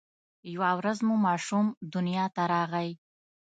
یوه ورځ یو ماشوم دنیا ته راغی.